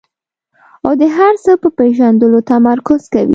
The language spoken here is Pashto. او د هر څه په پېژندلو تمرکز کوي.